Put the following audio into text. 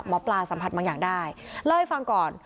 หมอปลาสัมผัสบางอย่างได้เล่าให้ฟังก่อน